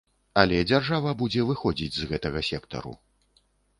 Але дзяржава будзе выходзіць з гэтага сектару.